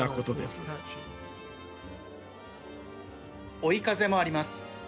追い風もあります。